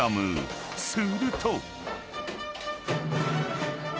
［すると］